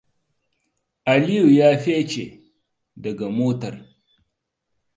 Aliyu ya fice daga motar.